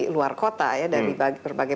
luar kota dari berbagai